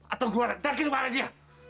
atau gua daging parah dia